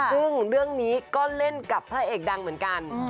ซึ่งเรื่องนี้ก็เล่นกับพระเอกดังเหมือนกัน